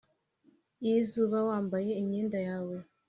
y'izuba wambaye imyenda yawe.